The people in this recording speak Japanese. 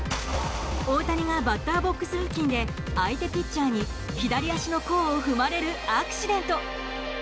大谷がバッターボックス付近で相手ピッチャーに左足の甲を踏まれるアクシデント。